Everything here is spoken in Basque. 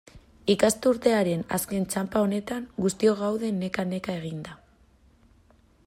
Ikasturtearen azken txanpa honetan, guztiok gaude neka-neka eginda.